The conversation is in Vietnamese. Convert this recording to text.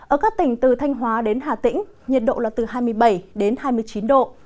ở các tỉnh từ thanh hóa đến hà tĩnh nhiệt độ là từ hai mươi bảy đến hai mươi chín độ